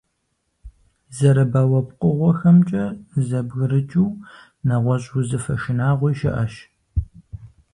Зэрыбауэ пкъыгъуэхэмкӀэ зэбгрыкӀыу нэгъуэщӀ узыфэ шынагъуи щыӀэщ.